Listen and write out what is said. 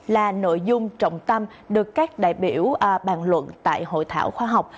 là nội dung trọng tâm được các đại biểu bàn luận tại hội thảo khoa học